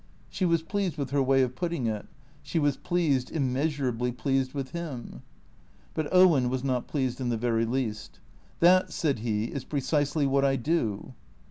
She was pleased with her way of putting it ; she was pleased, immeasur ably pleased with him. But Owen was not pleased in the very least. " That," said he, " is precisely what I do."